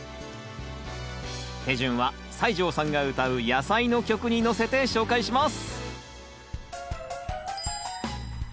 手順は西城さんが歌うやさいの曲にのせて紹介します！